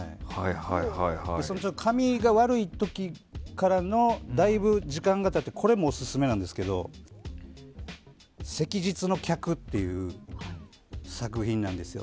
紙が悪い時からのだいぶ時間が経ったこれもオススメなんですけど「昔日の客」っていう作品なんですよ。